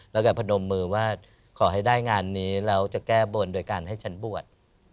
แล้วก็พนมมือว่าขอให้ได้งานนี้แล้วจะแก้บนโดยการให้ฉันบวช